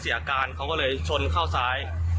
อาการเขาก็เลยชนเข้าซ้าย